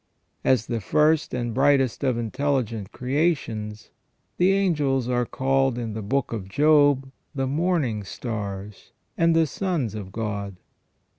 As the first and brightest of intelligent creations, the angels are called in the Book of Job the " morning stars " and " the sons of God".